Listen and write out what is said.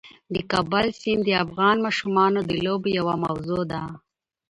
د کابل سیند د افغان ماشومانو د لوبو یوه موضوع ده.